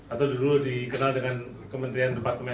atau dulu dikenal dengan kementerian departemen